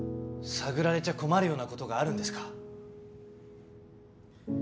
探られちゃ困るような事があるんですか？